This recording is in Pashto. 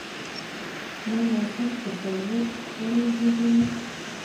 دا ناسم تصور شخړې زېږوي.